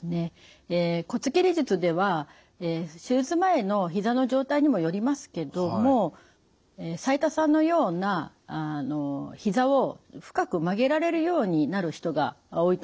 骨切り術では手術前のひざの状態にもよりますけども齋藤さんのようなひざを深く曲げられるようになる人が多いと思います。